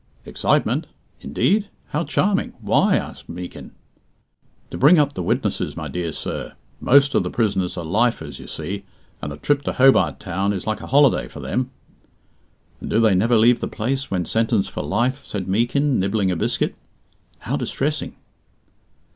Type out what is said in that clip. "Excitement! Indeed? How charming! Why?" asked Meekin. "To bring up the witnesses, my dear sir. Most of the prisoners are Lifers, you see, and a trip to Hobart Town is like a holiday for them." "And do they never leave the place when sentenced for life?" said Meekin, nibbling a biscuit. "How distressing!"